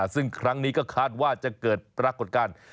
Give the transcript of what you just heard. ซึ่งครั้งนี้ก็คาดว่าจะเกิดปรากฏการณ์